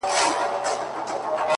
پر ننګرهاریانو ګران او د " لوی استاد"